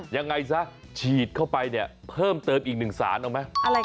ยังไงซะฉีดเข้าไปเพิ่มเติมอีกหนึ่งสารออกไหม